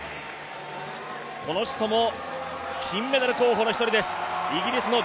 この人も金メダル候補の１人です。